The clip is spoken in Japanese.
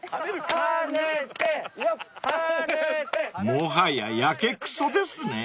［もはややけくそですね］